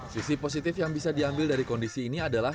sisi positif yang bisa diambil dari kondisi ini adalah